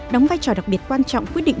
đóng vai trò đặc biệt quan trọng quyết định